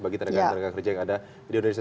bagi tenaga tenaga kerja yang ada di indonesia